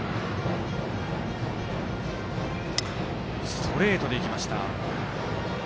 ストレートでいきました。